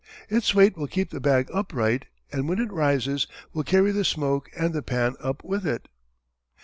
Its weight will keep the bag upright, and when it rises will carry the smoke and the pan up with it."